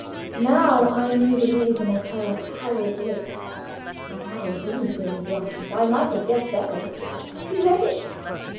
Now I knew the reason of her pallid looks. I had indeed been blind. I might have guessed better. "Have you read it?"